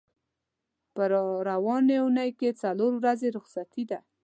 په را روانې اوونۍ کې څلور ورځې رخصتي ده.